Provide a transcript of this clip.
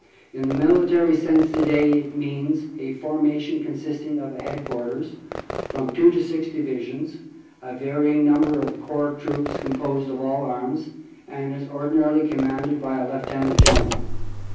In the military sense to day it means a forma tion consisting of a Headquarters, from two to six Divisions, and a varying number of Corps Troops composed of all arms, and is ordinarily commanded by a Lieutenant General.